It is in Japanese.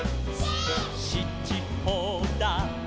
「しちほだ」